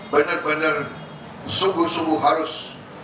benar benar sungguh sungguh harus